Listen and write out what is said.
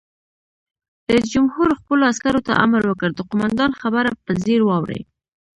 رئیس جمهور خپلو عسکرو ته امر وکړ؛ د قومندان خبره په ځیر واورئ!